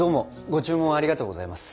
ご注文ありがとうございます。